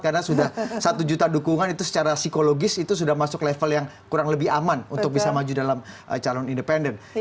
karena sudah satu juta dukungan itu secara psikologis itu sudah masuk level yang kurang lebih aman untuk bisa maju dalam calon independen